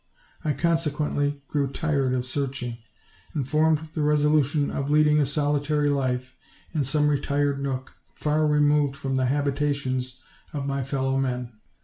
I consequently grew tired of searching, and formed the resolution of leading a solitary life in some retired nook, far removed from the habitations of my fellow men.